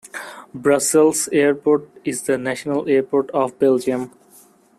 Brussels Airport is the national airport of Belgium.